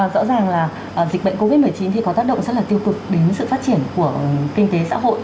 rõ ràng là dịch bệnh covid một mươi chín thì có tác động rất là tiêu cực đến sự phát triển của kinh tế xã hội